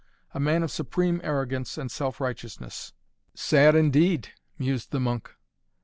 A man of supreme arrogance and self righteousness." "Sad, indeed " mused the monk.